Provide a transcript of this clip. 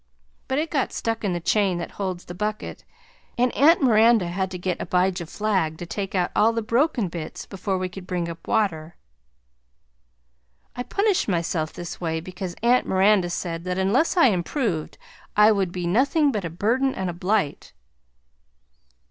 But it got stuck in the chain that holds the bucket, and Aunt Miranda had to get Abijah Flagg to take out all the broken bits before we could ring up water. I punished myself this way because Aunt Miranda said that unless I improved I would be nothing but a Burden and a Blight.